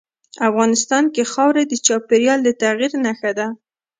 افغانستان کې خاوره د چاپېریال د تغیر نښه ده.